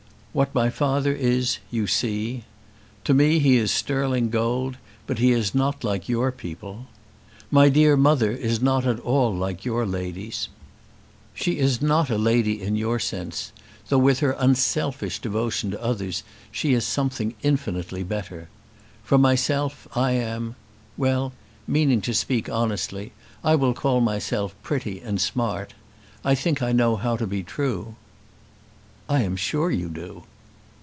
What my father is you see. To me he is sterling gold, but he is not like your people. My dear mother is not at all like your ladies. She is not a lady in your sense, though with her unselfish devotion to others she is something infinitely better. For myself I am, well, meaning to speak honestly, I will call myself pretty and smart. I think I know how to be true." "I am sure you do."